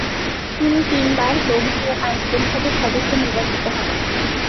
তিনি তিনবার বঙ্গীয় আইন পরিষদের সদস্য নির্বাচিত হন।